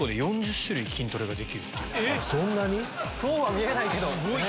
そんなに⁉そうは見えないけど。